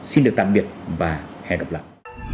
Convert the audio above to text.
xin được tạm biệt và hẹn gặp lại